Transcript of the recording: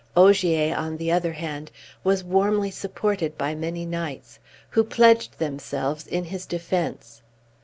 Ogier, on the other hand, was warmly supported by many knights, who pledged themselves in his defence.